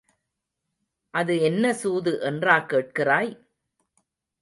அது என்ன சூது, என்றா கேட்கிறாய்?